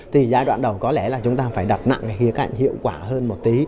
thì giai đoạn đầu có lẽ là chúng ta phải đặt nặng khía cạnh hiệu quả hơn một tí